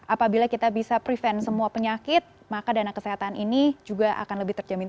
apabila kita bisa prevent semua penyakit maka dana kesehatan ini juga akan lebih terjamin